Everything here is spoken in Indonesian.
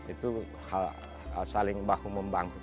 itu saling bahu membang